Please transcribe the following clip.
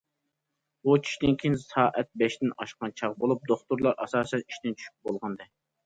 بۇ چۈشتىن كېيىن سائەت بەشتىن ئاشقان چاغ بولۇپ، دوختۇرلار ئاساسەن ئىشتىن چۈشۈپ بولغانىدى.